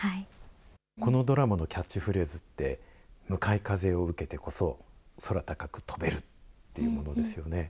このドラマのキャッチフレーズって向かい風を受けてこそ空高く飛べるというものですよね。